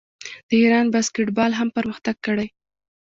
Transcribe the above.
د ایران باسکیټبال هم پرمختګ کړی.